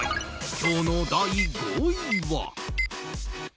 今日の第５位は。